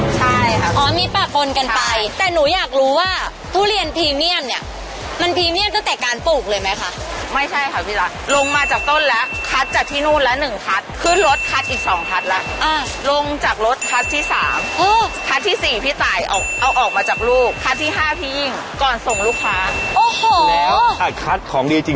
ใช่ค่ะอ๋อมีปากปนกันไปแต่หนูอยากรู้ว่าทุเรียนพรีเมียมเนี่ยมันพรีเมียมตั้งแต่การปลูกเลยไหมคะไม่ใช่ค่ะพี่รักลงมาจากต้นแล้วคัดจากที่นู่นแล้วหนึ่งคัดขึ้นรถคัดอีกสองคัดแล้วลงจากรถคัสที่สามคัดที่สี่พี่ตายเอาเอาออกมาจากลูกคัดที่ห้าพี่ยิ่งก่อนส่งลูกค้าโอ้โห